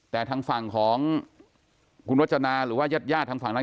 แต่ทางฝั่งของคุณวจนาหรือว่ายาดทางฝั่งนั้น